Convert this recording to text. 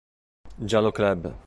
Giallo club.